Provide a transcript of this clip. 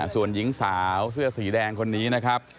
ส่วนหญิงสาวเสื้อสีแดงคนนี้นะครับ